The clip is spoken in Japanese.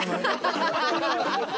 ハハハハ！